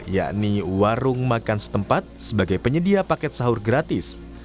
yakni warung makan setempat sebagai penyedia paket sahur gratis